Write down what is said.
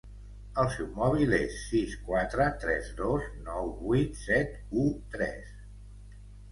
El seu mòbil és sis quatre tres dos nou vuit set u tres.